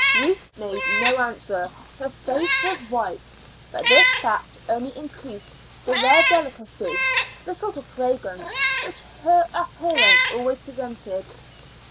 Ruth made no answer. Her face was white, but this fact only increased the rare delicacy, the sort of fragrance, which her appearance always presented.